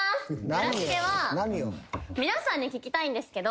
村重は皆さんに聞きたいんですけど。